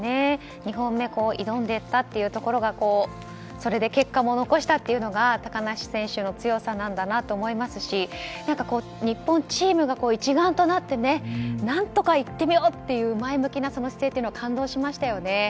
２本目挑んでいったというところ結果も残したというのが高梨選手の強さだと思いますし日本チームが一丸となって何とかいってみよう！という前向きな姿勢というのは感動しましたよね。